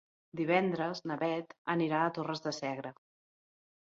Divendres na Beth anirà a Torres de Segre.